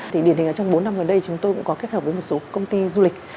thì điển hình trong bốn năm gần đây chúng tôi cũng có kết hợp với một số công ty du lịch